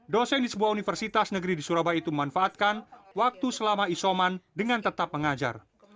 dosen di sebuah universitas negeri di surabaya itu memanfaatkan waktu selama isoman dengan tetap mengajar